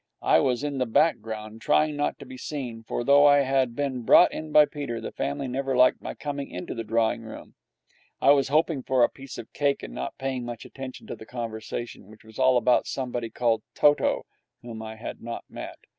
I was in the background, trying not to be seen, for, though I had been brought in by Peter, the family never liked my coming into the drawing room. I was hoping for a piece of cake and not paying much attention to the conversation, which was all about somebody called Toto, whom I had not met.